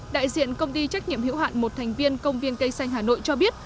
đại diện công ty trách nhiệm hữu hạn một thành viên công viên cây xanh hà nội cho biết